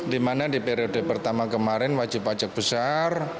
dimana di periode pertama kemarin wajib pajak besar